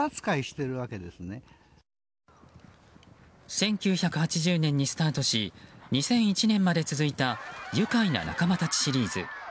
１９８０年にスタートし２００１年まで続いた「ゆかいな仲間たち」シリーズ。